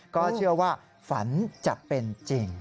ก็เชื่อว่าฝันจะเป็นจริง